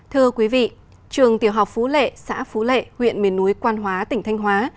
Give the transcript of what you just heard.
thưa quý vị trường tiểu học phú lệ xã phú lệ huyện miền núi quan hóa tỉnh thanh hóa